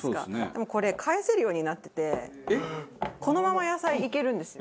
でもこれ返せるようになっててこのまま野菜いけるんですよ。